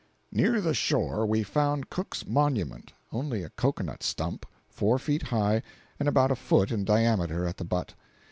Near the shore we found "Cook's Monument"—only a cocoanut stump, four feet high and about a foot in diameter at the butt.